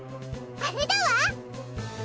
あれだわ！